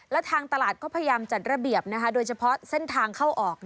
และทางตลาดก็พยายามจัดระเบียบโดยเฉพาะเส้นทางเข้าออก